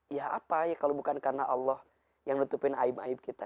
ya apa ya kalau bukan karena allah yang nutupin aib aib kita